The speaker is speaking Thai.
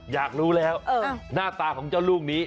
อยากรู้แล้วหน้าตาของเจ้าลูกนี้